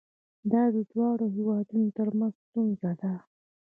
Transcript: دا د دواړو هیوادونو ترمنځ ستونزه ده.